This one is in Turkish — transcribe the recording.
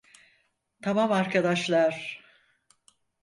Tamam arkadaşlar.